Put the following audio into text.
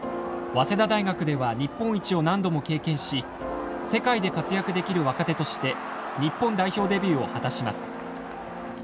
早稲田大学では日本一を何度も経験し世界で活躍できる若手として日本代表デビューを果たします。